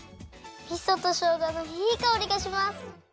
みそとしょうがのいいかおりがします。